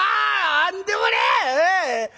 何でもねえ。